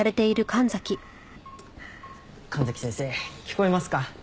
神崎先生聞こえますか？